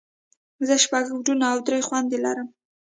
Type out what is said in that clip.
زه شپږ وروڼه او درې خويندې لرم.